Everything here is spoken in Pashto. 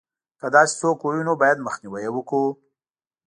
که داسې څوک ووینو باید مخنیوی یې وکړو.